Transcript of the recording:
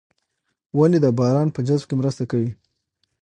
ونې د باران په جذب کې مرسته کوي.